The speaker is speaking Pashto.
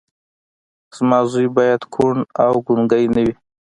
زما زوی بايد کوڼ او ګونګی نه وي.